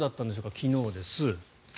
昨日です。